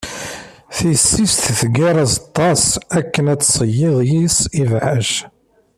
Tisist teggar azeṭṭa-s akken ad d-tseyyeḍ yess ibɛac.